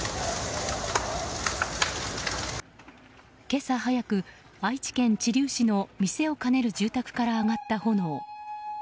今朝早く、愛知県知立市の店を兼ねる住宅から上がった炎。